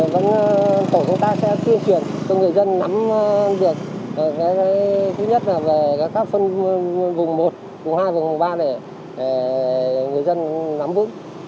vẫn tổ chúng ta sẽ tuyên truyền cho người dân nắm được cái thứ nhất là về các phân vùng một vùng hai vùng ba để người dân nắm vũ